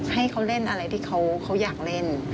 ให้เขาเล่นอะไรที่เขาอยากเล่น